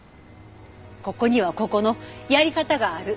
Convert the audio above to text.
ここにはここのやり方がある。